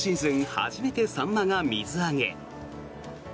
初めてサンマが水揚げ。